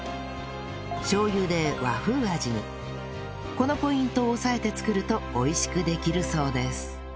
このポイントを押さえて作ると美味しくできるそうです